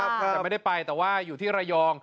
แต่ไม่ได้ไปแต่ว่าอยู่ที่ระยอง